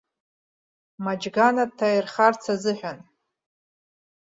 Маџьгана дҭаирхарц азыҳәан.